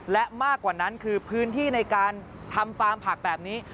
และมากกว่านั้นคือพื้นที่ในการทำฟาร์มผักแบบนี้